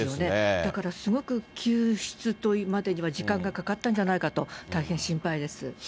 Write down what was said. だからすごく救出までには時間がかかったんじゃないかと、大変心配です。